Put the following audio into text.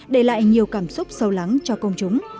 để lại nhiều cảm xúc sâu lắng cho công chúng